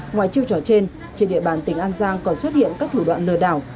ngoài chiêu trò trên trên địa bàn tỉnh an giang còn xuất hiện các thủ đoạn lừa đảo